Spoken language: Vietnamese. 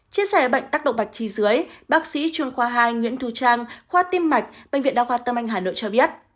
chia sẻ bệnh tắc động mạch chi dưới bác sĩ chuyên khoa hai nguyễn thu trang khoa tiêm mạch bệnh viện đa khoa tâm anh hà nội cho biết